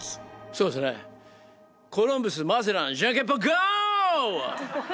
そうですねコロンブスマゼランジャンケンポンＧＯ！！